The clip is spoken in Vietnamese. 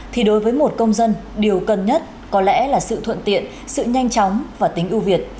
thì đối với một công dân điều cần nhất có lẽ là sự thuận tiện sự nhanh chóng và tính ưu việt